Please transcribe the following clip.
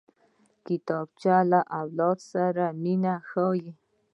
کتابچه له اولاد سره مینه ښيي